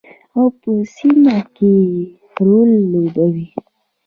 او په سیمه کې رول لوبوي.